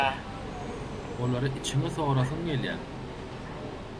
Olary içiňe sorasyň gelýär.